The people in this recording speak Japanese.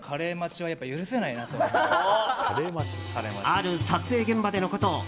ある撮影現場でのこと。